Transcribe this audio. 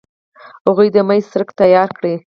هغوی د امید څرک تیاره کړ.